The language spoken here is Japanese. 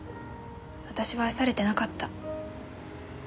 私は愛されてなかった。